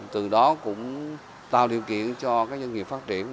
từ đó cũng tạo điều kiện cho các doanh nghiệp phát triển